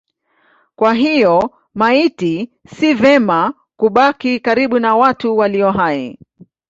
Kwa hiyo maiti si vema kubaki karibu na watu walio hai.